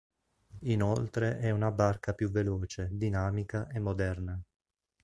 Inoltre è una barca più veloce, dinamica e moderna.